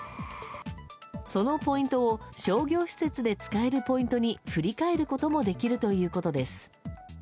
そのポイントを商業施設で使えるポイントに振り替えることもできるということです。